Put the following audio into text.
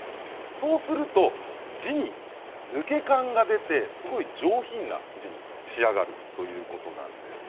そうすると字に抜け感が出て上品な字に仕上がるということです。